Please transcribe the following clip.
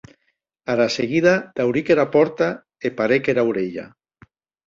Ara seguida dauric era pòrta e parèc era aurelha.